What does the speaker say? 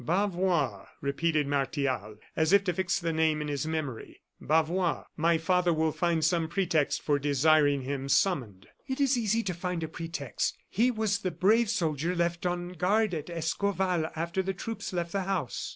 "Bavois," repeated Martial, as if to fix the name in his memory; "Bavois. My father will find some pretext for desiring him summoned." "It is easy to find a pretext. He was the brave soldier left on guard at Escorval after the troops left the house."